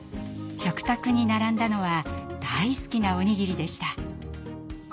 食卓に並んだのは大好きなおにぎりでした。